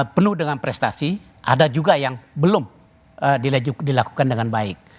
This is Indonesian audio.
penuh dengan prestasi ada juga yang belum dilakukan dengan baik